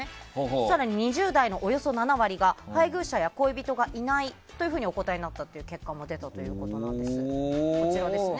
更に２０代のおよそ７割が配偶者・恋人がいないというふうにお答えになった結果も出たということです。